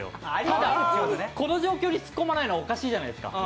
ただ、この状況に突っ込まないのはおかしいじゃないですか。